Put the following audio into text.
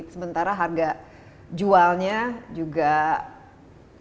sementara harga jualnya juga ya harus disesuaikan